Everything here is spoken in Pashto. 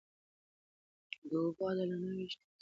د اوبو عادلانه وېش يې تنظيم کړ.